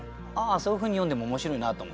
そういうふうに読んでも面白いなと思う。